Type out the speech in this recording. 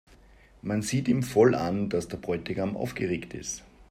Man sieht ihm voll an, dass der Bräutigam aufgeregt ist.